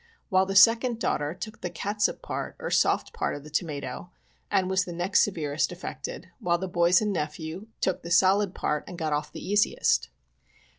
While the second daughter took the catsup part, or soft part of the tomatoe, and was the next severest affected, while the boys and nephew took the solid part, and got off the easiest.